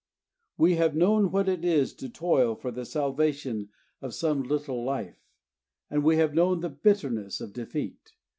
We have known what it is to toil for the salvation of some little life, and we have known the bitterness of defeat.